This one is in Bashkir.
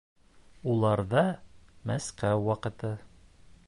Уларҙа Мәскәү ваҡыты